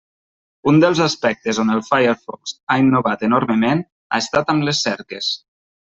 Un dels aspectes on el Firefox ha innovat enormement ha estat amb les cerques.